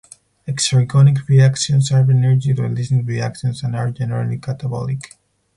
Exergonic reactions are energy-releasing reactions and are generally catabolic.